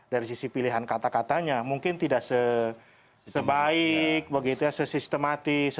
dari sisi pilihan kata katanya mungkin tidak sebaik begitu ya sesistematis